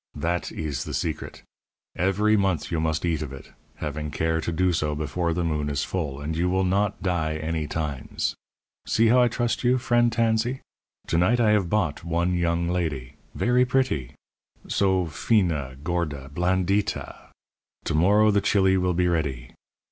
That ees the secret. Everee month you must eat of it, having care to do so before the moon is full, and you will not die any times. See how I trust you, friend Tansee! To night I have bought one young ladee verree pretty so fina, gorda, blandita! To morrow the chili will be ready.